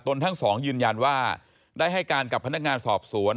ตนทั้ง๒ยืนยารว่าได้ให้การกับคณะงานสอบสวน